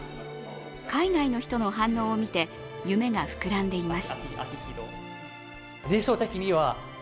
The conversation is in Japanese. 海外の人の反応を見て夢が膨らんでいます。